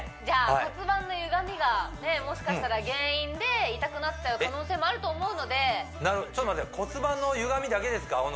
じゃあ骨盤のゆがみがもしかしたら原因で痛くなっちゃう可能性もあると思うのでちょっと待って骨盤のゆがみだけですか？